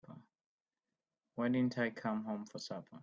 Why didn't I come home for supper?